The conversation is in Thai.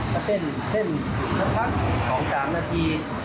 ก็เต้นสักพัก๒๓นาที